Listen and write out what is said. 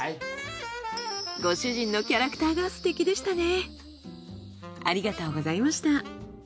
ご主人のキャラクターがすてきでしたね。